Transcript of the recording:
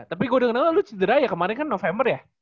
tapi gue denger lu cedera ya kemarin kan november ya